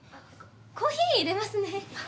コーヒーいれますね。